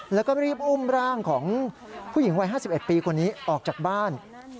แล้วก็รีบอุ้มร่างของผู้หญิงวัย๕๑ปีคนนี้ออกจากบ้าน